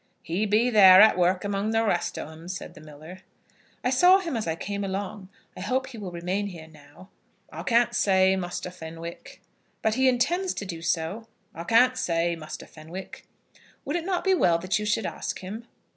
"He be there, at work among the rest o' 'em," said the miller. "I saw him as I came along. I hope he will remain here now." "I can't say, Muster Fenwick." "But he intends to do so?" "I can't say, Muster Fenwick." "Would it not be well that you should ask him?"